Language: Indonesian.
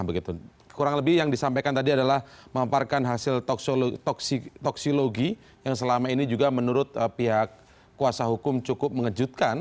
kurang lebih yang disampaikan tadi adalah memamparkan hasil toksilogi yang selama ini juga menurut pihak kuasa hukum cukup mengejutkan